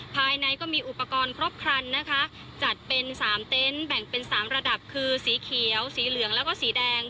ภายในก็มีอุปกรณ์ครบครันนะคะจัดเป็นสามเต็นต์แบ่งเป็น๓ระดับคือสีเขียวสีเหลืองแล้วก็สีแดง